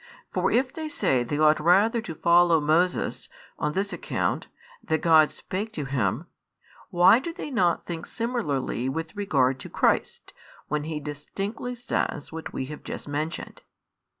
For if they say they ought rather to follow Moses, on this account, that God spake to him; why do they not think similarly with regard to Christ, when He distinctly says what we have just mentioned?